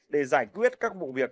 để giải quyết các vụ việc